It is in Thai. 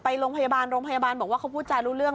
ถ้าเกิดไปโรงพยาบาลบอกว่าเขาพูดจารู้เรื่อง